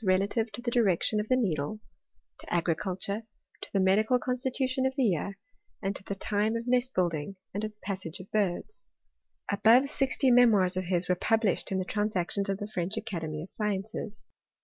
291 relative to the direction of the needle, to agriculture, to the medical constitution of the year, and to the time of nest*building, and of the passage of birds. Above sixty memoirs of his were published] in the Transactions of the French Academy of Sciences.